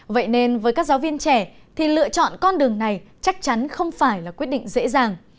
vậy nên với các giáo viên trẻ thì lựa chọn con đường này chắc chắn không phải là quyết định dễ dàng